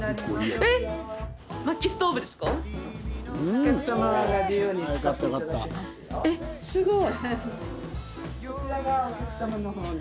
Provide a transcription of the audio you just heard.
えっすごい。